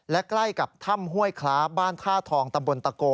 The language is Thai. และใกล้กับถ้ำห้วยคล้าบ้านท่าทองตำบลตะโก